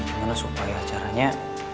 gimana supaya caranya